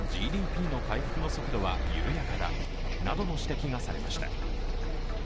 ＧＤＰの回復の速度は緩やかだなどの指摘がされました。